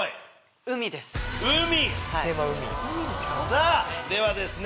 さぁではですね